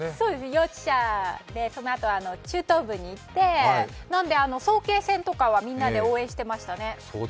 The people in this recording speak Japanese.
幼稚舎でそのあとは中等部に行って早慶戦とかはみんなで応援してましたね。